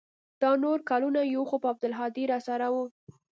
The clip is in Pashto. دا نور کلونه يو خو به عبدالهادي راسره و.